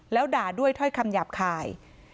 แล้วด่าด้วยถ้อยคำหยาบคาย